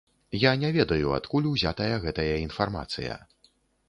Я не ведаю адкуль узятая гэтая інфармацыя.